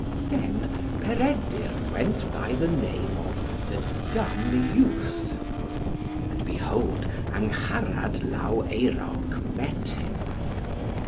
Then Peredur went by the name of the Dumb Youth. And behold, Angharad Law Eurawc met him.